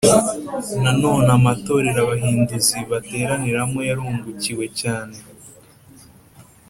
Nanone amatorero abahinduzi bateraniramo yarungukiwe cyane